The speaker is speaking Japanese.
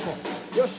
よし！